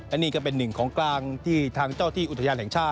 อันนี้ก็เป็นหนึ่งของกลางที่ทางเจ้าที่อุทยานแห่งชาติ